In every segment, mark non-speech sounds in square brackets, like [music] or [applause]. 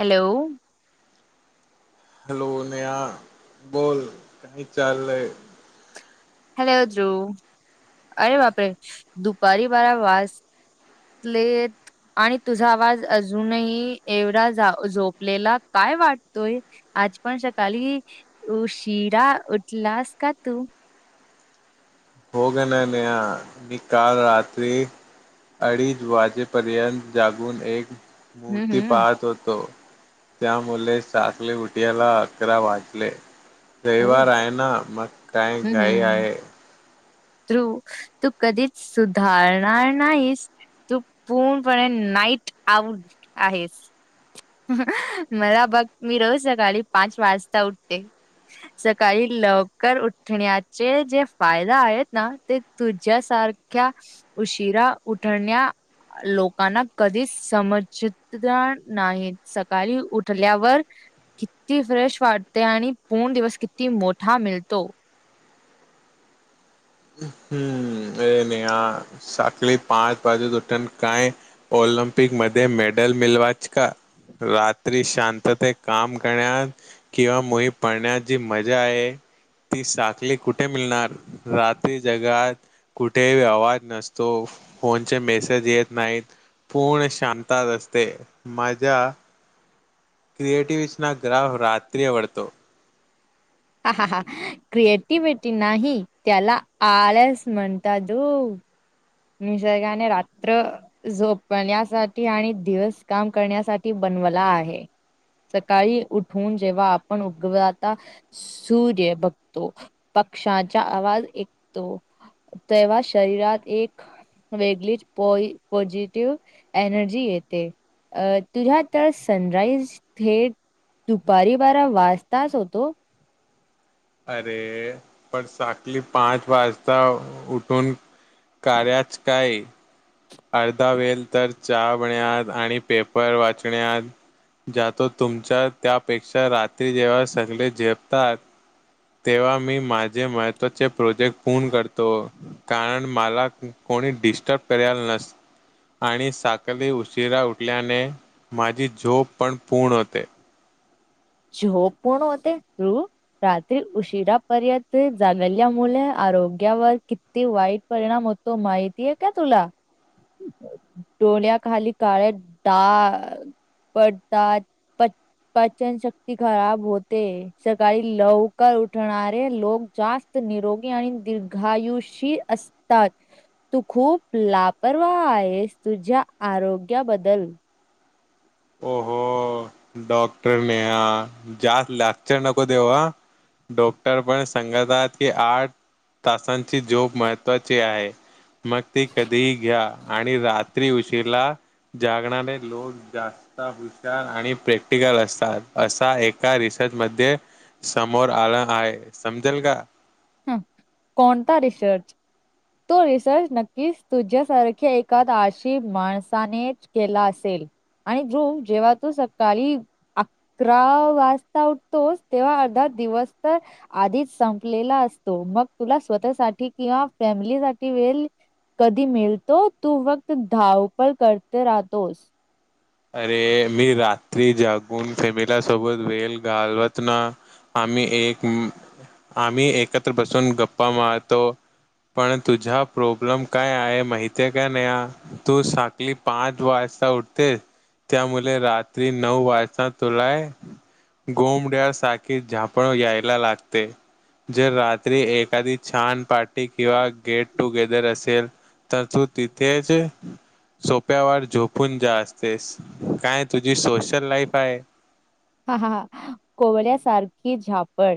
Hello hello Neha बोल काही चालय हॅलो द्रु अरे बापरे दुपारी बारा वास पलेेत आणि तुझा आवाज अजूनही एवढा झ झोपलेला काय वाटतोय आज पण सकाळी शिरा उठलास का तू होय ग नयना मी काल रात्री अडीच वाजेपर्यंत जागून एक हम्म मूर्ती हम्म पाहत होतो त्यामुळे सकाले उटयाला अकरा वाटले ओ रविवार आहे ना मग काय घाई आहे तू तू कधीच सुधारणार नाहीस तू पूर्णपणे नाईट आउट आहेस मला बघ मी रोज सकाळी पाच वाजता उठते सकाळी लवकर उठण्याचे जे फायदा आहेत ना ते तुझ्या सारख्या उशिरा उठण्या लोकांना कधीच समजतता नाहीत सकाळी उठल्यावर किती फ्रेश वाटते आणि पूर्ण दिवस किती मोठा मिलतो हम्म नाही सखळी पाच वाजू उठण काय ऑलमपिक मध्ये मेडल मिलवाच का रात्री शांतता काम करण्यात किंवा मोही पडण्यात जी मजा आहे ती साखली कुठे मिळणार रात ते जगात कुठेही आवाज नसतो फोनचे मेसेज येत नाहीत पूर्ण शांतात असते माझ्या क्रिएटिव्हसना ग्राह राात्री आवडतो क्रिएटिवि्हटी नाही त्याला आळस म्हणता दो निसर्गाने रात्र झोपण्यासाठी आणि दिवस काम करण्यासाठी ब मला आहे सकाळी उठून जेव्हा आपण उगवता सूर्य बघतो अक्षांचा आवाज ऐकतो तेव्हा शरीरात एक वेगळीच प पॉझिटिव्ह एनर्जी येते अ तुझ्या तर सनराईज थेट दुपारी बारा वाजताच होतो अरे पण साकली पाच वाजता उठून कराच काय अर्धा वेल तर चहा बन आणि पेपर वाचण्यात ज तो तुमच्या त्यापेक्षा रात्री जेव्हा सगळे झोपतात तेव्हा मी माझे महत्त्वाचे प्रोजेक्ट पूर्ण करतो कारण मला कोणी डिस्टप करायला नस आणि साकली उशिरा उठल्याने माझी झोप पण पूर्ण होते झोप पण होते अ रात्री उशिरापर्यंत जामल्यामुलं आरोग्यावर किती वाईट परिणाम होतो माहितीय का तुला डोण्या्या खाली काळे डा पडतातचन ती खराब होते सकाळी लवकर उठणारे लोक जास्त निरोगी आणि दीर्घायुष असतात तू खूप लापरवाह आहेस तुझ्या आरोग्या बदल ओ हो डॉक्टरने ह जास्त लाचर नको देऊ हां डॉक्टर पण सांगतात की आठ तासांची झोप महत्त्वाची आहे मग ती कधीही घ्या आणि रात्री उशीरला जागणारे लोक जास् ता हुशार आणि प्रॅक्टिकल असतात असा एका रिसर्च मध्ये समोर आलं आहे समजेल का हं कोणता रिसर्च तो रिसर्च नक्कीच तुझ्यासारख्या एखादा आळशी माणसानेच केला असेल. आणि रुम जेव्हा तो सकाळी अकरा वाजता उठतोस तेव्हा अर्धा दिवस तर आधीच संपलेला अस. तो मग तुला स्वतःसाठी किंवा फॅमिली साठी वेल कधी मिलतो तू फक्त धावपल करते राहतोस. अरे मी रात्री जागून फॅमिला सोबत वेला घालवत ना. आम्ही एक आम्ही एकत्र बसून गप्पा मारतो. पण तुझा प्रॉब्लेम काय आहे माहितीये आहे का नेहा तू साकली पाच वाज ता उठते त्यामुले रात्री नऊ वाजता तुलाय गोमड्या साखे झापण यायला लागते. जर रात्री एखादी छान पार्टी किंवा गेट टुगेदर असेल. तर तू तिथेच सोप्या वर झोपून जास. तेच काय तुझी सोशल लाईफ आहे. हा हा हा कोवळ्यासारखी झापड.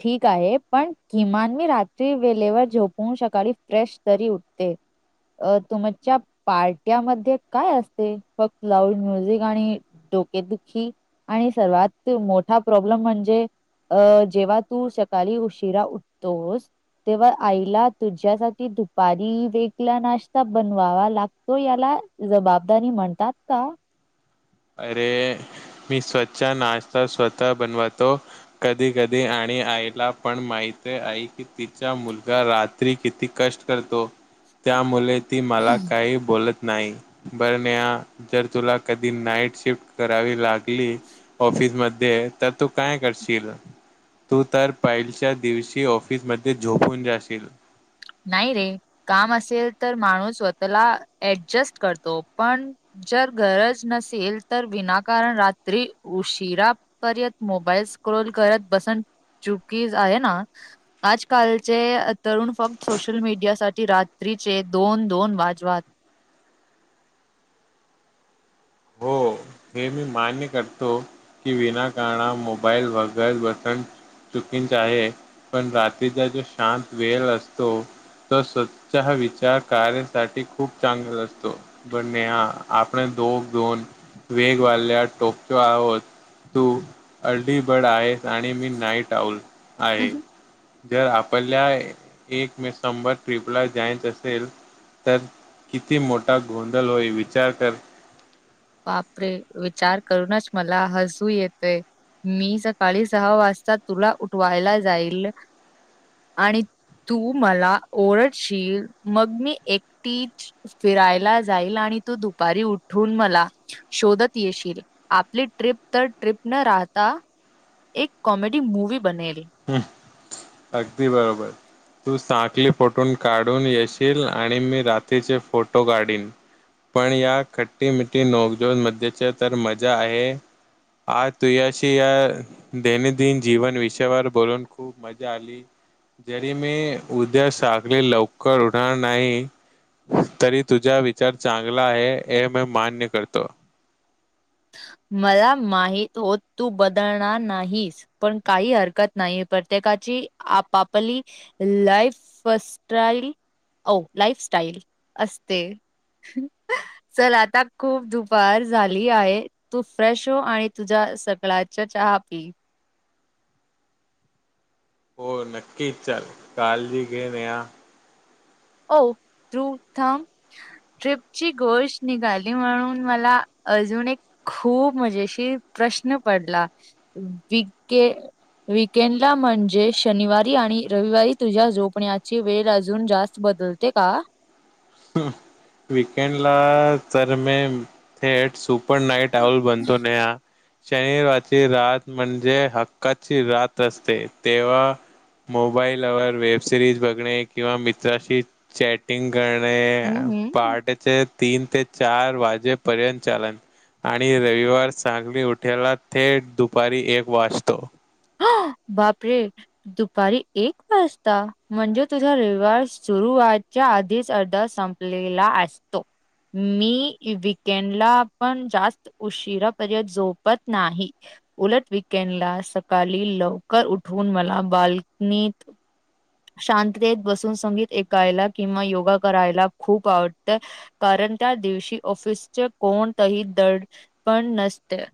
ठीक आहे पण किमान मी रात्री वेलेवर झोपून सकाळी फ्रेश तरी उठ ते. अ तुमच्या पार्ट्यामध्ये काय असते फक्त लाउड म्युझिक आणि डोकेदुखी आणि सर्वात मोठा प्रॉब्लेम म्हणजे. अ जेव्हा तू सकाली उशिरा उठतोस तेव्हा आईला तुझ्यासाठी दुपारी वेगला नाश्ता बनवावा लागतो याला जबाबदारी म्हणतात का? अरे मी स्वचा नाश्ता स्वतः बनवतो. कधी कधी आणि आई ला पण माहित हे आई की तिचा मुलगा रात्री किती क टेस्ट करतो त्यामुले ती मला काही बोलत. नाही बर नेहा जर तुला कधी नाईट शिफ्ट करावी लागली ऑफिस मध्ये तर तू काय करशील? तू तर पहिलच्या दिवशी ऑफिसमध्ये झोपून जाशील. नाही रे काम असेल तर माणूस स्वतःला ऍडजस्ट करतो पण जर गरज नसेल तर विनाकारण रात्री उशिरा पर्यंत मोबाईल्स क्रोल करत बसन चुकी आहे ना आजकालचे तरुण फक्त सोशल मीडियासाठी रात्रीचे दोन दोन वाजवात. [inaudible] हो हे मी मान्य करतो की विनाकारणा मोबाईल वगैर बटन चुकींच आहे पण रात्रीचा जो शांत वेल असतो. तो स्वचहा विचार कार्यसाठी खूप चांगला असतो पण नेहा आपण दोग दोन वेगवाल्या टोक्यो आहोत. तू अर्ली बर्ड आहेस आणि मी नाईट आउल आहे. जर आपल्या एक मेक संबत ट्रिपला जायच असेल तर किती मोठा गोंधल होईल विचार कर. बापरे विचार करूनच मला हसू येतय. मी सकाळी सहा वाजता तुला उठवायला जाईल आणि तू मला ओरडशील मग मी एकटीच फिरायला जाईल आ नी तु दुपारी उठून मला शोधत येशील आपली ट्रिप तर ट्रिप न राहता. एक कॉमेडी मूवी बनेल. ह अगदी बरोबर. तू साांखली फोटो काढून येशील आणि मी रात्रीचे फोटो काढीन पण या खट्टी मिठी नोकजो मच्या तर मजा आहे. आ तु अशी या दैनंदिन जीवन विषयावर बोलून खूप मजा आली. जरी मी उद्या साखली लवकर होणार नाही तरी तुझा विचार चांगला आहे हे मी मान्य करतो ह मला माहित हो तू बदलणार नाहीस पण काही हरकत नाही प्रत्येक ची आपपली लाईफ सटाईल लाईफस्टाईल असते चल आता खूप दुपार झाली आहे तू फ्रेश हो आणि तुझ्या सगळ्याच्या चहा पी हो नक्कीच चाल काळजी घेन या प्रूथम ट्रिपची गोष्ट निघाली म्हणून मला अजून एक खूप मजेशी प्रश्न पडला विे वकेंडला म्हणजे शनिवारी आणि रविवारी तुझ्या झोपण्याची वेळ अजून जास्त बदलते का वकेंड ला तर म थेट सुप पण नाही टाऊल बनतो नाही हा शनिवारची रात म्हणजे हक्काची रात असते तेव्हा मोबाईलवर वेब सिरीज बघणे किंवा मित्राशी चॅटिंग करणे हम्म आणि हम्म. पहाटेचे तीन ते चार वाजे पर्यंत चालन आणि रविवार सांगली उठेला थेट दुपारी एक वाचतो [unintelligible] बापरे दुपारी एक वाजता म्हणजे तुझा रविवार सुरू व्हायच्या आधीच अर्धा संपलेला असतो मी वकेंडला पण जास्त उशीिरापर्यंत झोपत नाही उलट विकेंडला सकाळी लवकर उठवून मला बाल्कनीत शांततेत बसून संगीत ऐकायला किंवा योगा करायला खूप आवडतं कारण कोण त्या दिवशी ऑफिसचे कोणतही दड पण नसते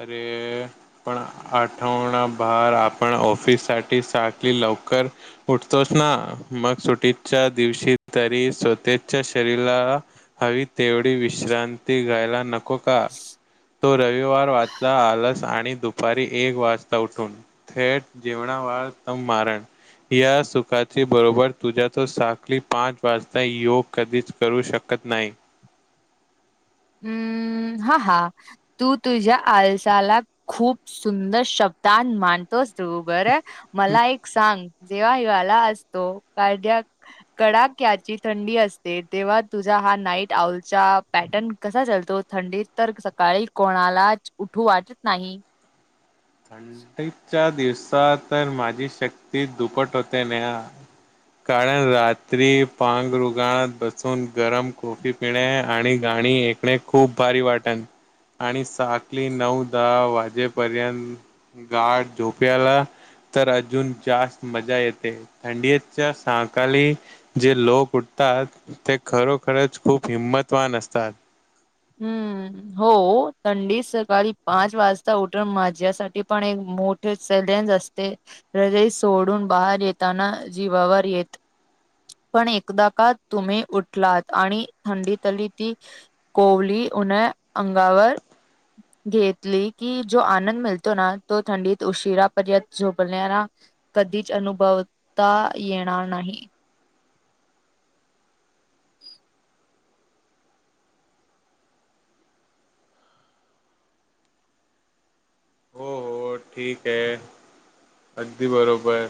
अरे पण आठवणाभर आपण ऑफिस साठी साकली ल लवकर उठतोस ना मग सुटीच्या दिवशी तरी स्वतच्या शरीरा हवी तेवढी विश्रांती घ्यायला नको का तो रविवार आलस आणि दुपारी एक वाजता उठून थेट जेवणावाळ त मारण या सुखा ची बरोबर तुझ्या त साखली पाच वाजता योग कधीच करू शक नाही हम्म हा हा तू तुझ्या आलसाला खूप सुंदर शब्द मानतोस तू बरं मला एक सांग जेव्हा हिवाला असतो काद्या कडाक्याची थंडी असते तेव्हा तुझा हा नाईट आउलचा पॅटर्न कसा चालतो थंडीत तर सकाळी कोणालाच उठू वाटत नाही थंडीच्या दिवसात तर माझी शक्ती दुपट होते न कारण रात्री पांग रुगणात बसून गरम कॉफी पिणे आणिा आणि इकडे खूप भारी वाटण आणि साकली नऊ दहा वाजेपर्यंत गाठ झोप्याला तर अजून जास्त मजा येते थंडीच्या साकाळी जे लोक ते खरोखरच खूप हिंमतवान असतात हम्म! हो थंडी सकाळी पाच वाजता उठ माझ्यासाठी पण एक मोठ. अस हदय सोडून बाहेर येताना जीवावर येत. पण एकदा का तुम्ही उठलात आणि थंडीतली ती कोवली उन अंगावर घेतली की जो आनंद मिळतो ना तो थंडीत उशिरा परर्यंत झोपणारा. कधीच अनुभवता येणार नाही. हो हो ठीक आहे अगदी बरोबर.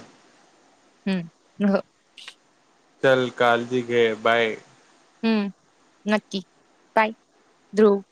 हम्म! चल कालजी घे बाय. हम्म नक्की पाय ध्रुव.